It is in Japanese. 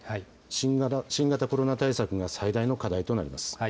新型コロナ対策が最大の課題となります。